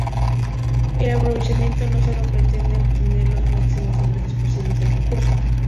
El aprovechamiento no solo pretende obtener los máximos ingresos posibles del recurso.